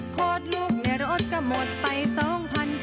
โคตรลูกในรถก็หมดไปสองพัน